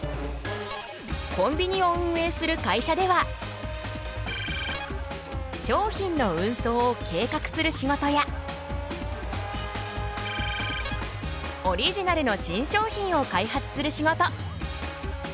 コンビニを運営する会社では商品の運送を計画する仕事やオリジナルの新商品を開発する仕事。